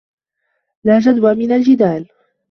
لا جدوى من الجدال.